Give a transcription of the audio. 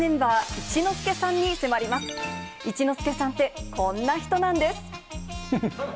一之輔さんって、こんな人なんです。